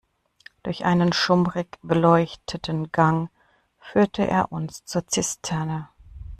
Durch einen schummrig beleuchteten Gang führte er uns zur Zisterne.